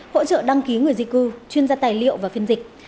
hỗ trợ đăng ký người di cư chuyên gia tài liệu và phiên dịch